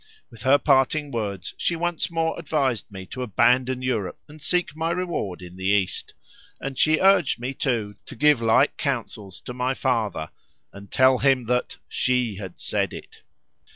With her parting words she once more advised me to abandon Europe and seek my reward in the East, and she urged me too to give the like counsels to my father, and tell him that "She had said it."